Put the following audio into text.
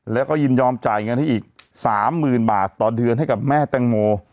แล้วก็ยินยอมจ่ายเงินให้อีก๓๐๐๐บาทต่อเดือนให้กับแม่แตงโม